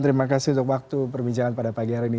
terima kasih untuk waktu perbincangan pada pagi hari ini